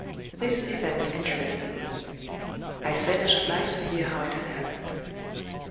This event interested me. I said I should like to hear how it had happened.